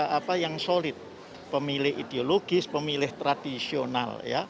p tiga punya pemilih yang solid pemilih ideologis pemilih tradisional